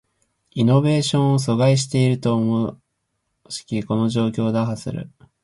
イノベーションを阻害していると思しきこの状況を打破する